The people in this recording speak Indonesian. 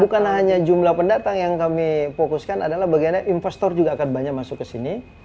bukan hanya jumlah pendatang yang kami fokuskan adalah bagaimana investor juga akan banyak masuk ke sini